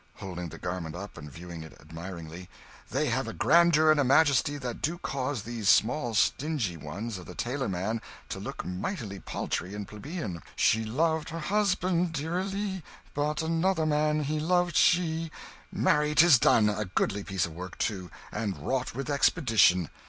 holding the garment up and viewing it admiringly "they have a grandeur and a majesty that do cause these small stingy ones of the tailor man to look mightily paltry and plebeian "'She loved her husband dearilee, But another man he loved she, ' "Marry, 'tis done a goodly piece of work, too, and wrought with expedition.